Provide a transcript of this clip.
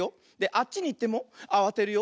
あっちにいってもあわてるよ。